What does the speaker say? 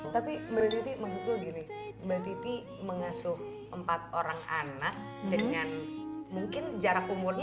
tapi berarti maksudku gini mbak titi mengasuh empat orang anak dengan mungkin jarak umurnya